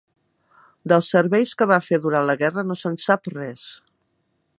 Dels serveis que va fer durant la guerra no se'n sap res.